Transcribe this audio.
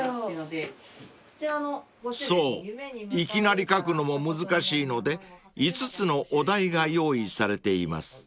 ［そういきなり書くのも難しいので５つのお題が用意されています］